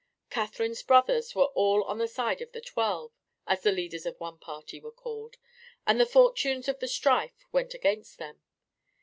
Catherine's brothers were all on the side of the Twelve, as the leaders of one party were called, and the fortunes of the strife went against them.